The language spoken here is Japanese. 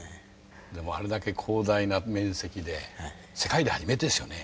でもあれだけ広大な面積で世界で初めてでしょうね。